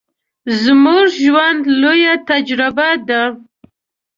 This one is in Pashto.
زموږ ژوند، لويه تجربه ده.